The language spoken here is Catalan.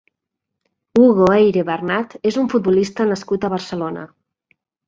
Hugo Eyre Bernat és un futbolista nascut a Barcelona.